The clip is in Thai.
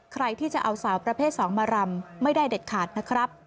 ใครที่จะเอาสาวประเภท๒มารำไม่ได้เด็ดขาดนะครับ